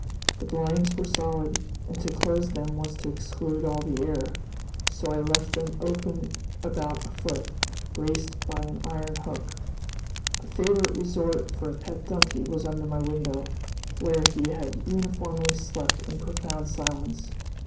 The blinds were solid, and to close them was to exclude all the air, so I left them open about a foot, braced by an iron hook. A favorite resort for a pet donkey was under my window, where he had uniformly slept in profound silence.